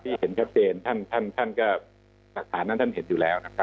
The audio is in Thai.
เห็นชัดเจนท่านก็หลักฐานนั้นท่านเห็นอยู่แล้วนะครับ